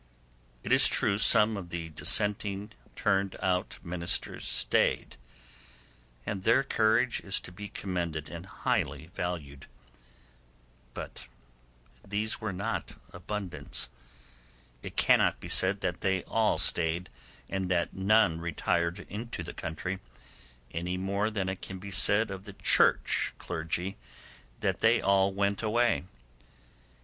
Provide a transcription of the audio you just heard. It is true some of the Dissenting turned out ministers stayed, and their courage is to be commended and highly valued—but these were not abundance; it cannot be said that they all stayed, and that none retired into the country, any more than it can be said of the Church clergy that they all went away.